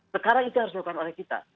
sekarang itu harus dilakukan oleh kita